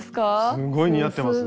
すんごい似合ってますね。